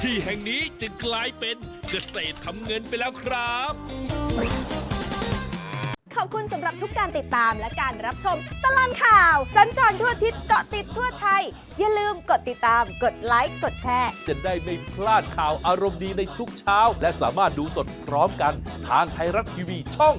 ที่แห่งนี้จึงกลายเป็นเกษตรทำเงินไปแล้วครับ